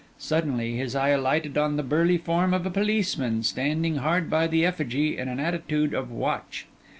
Suddenly his eye alighted on the burly form of a policeman, standing hard by the effigy in an attitude of watch.